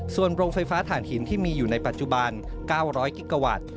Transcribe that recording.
ส่วนโรงไฟฟ้าฐานหินที่มีอยู่ในปัจจุบัน๙๐๐กิกาวัตต์